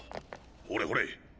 ほれほれ！